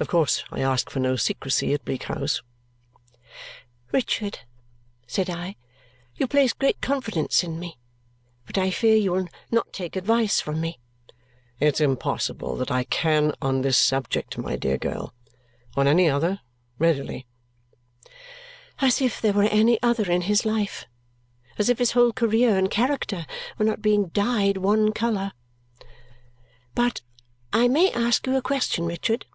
Of course I ask for no secrecy at Bleak House." "Richard," said I, "you place great confidence in me, but I fear you will not take advice from me?" "It's impossible that I can on this subject, my dear girl. On any other, readily." As if there were any other in his life! As if his whole career and character were not being dyed one colour! "But I may ask you a question, Richard?"